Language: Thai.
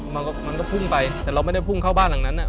มันก็พุ่งไปแต่เราไม่ได้พุ่งเข้าบ้านหลังนั้น